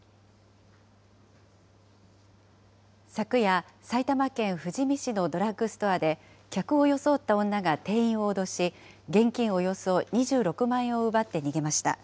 昨夜、埼玉県富士見市のドラッグストアで客を装った女が店員を脅し、現金およそ２６万円を奪って逃げました。